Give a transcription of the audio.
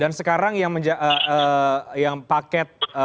dan sekarang yang paket